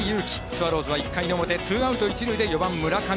スワローズは１回の表ツーアウト、一塁で４番、村上。